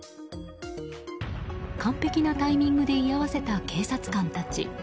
完璧なタイミングで居合わせた警察官たち。